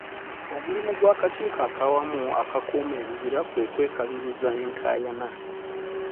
Omulimu gw'Akakiiko ak'Awamu Akakuuma Ebibira kwe kwekaliriza enkaayana.